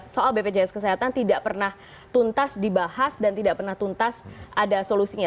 soal bpjs kesehatan tidak pernah tuntas dibahas dan tidak pernah tuntas ada solusinya